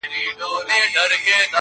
د مور ملوکي سرې دي نوکي-